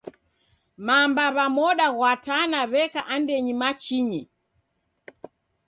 Mamba w'a moda ghwa Tana w'eka andenyi machinyi.